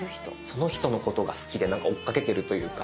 その人のことが好きで追っかけてるというか。